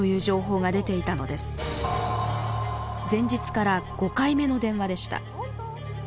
前日から５回目の電話でした。